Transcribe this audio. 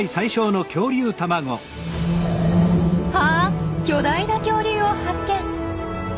あっ巨大な恐竜を発見！